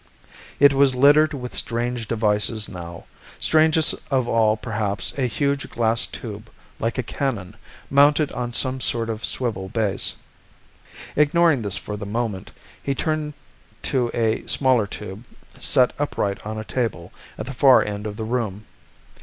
It was littered with strange devices now, strangest of all perhaps a huge glass tube like a cannon, mounted on some sort of swivel base. Ignoring this for the moment, he turned to a smaller tube set upright on a table at the far end of the room.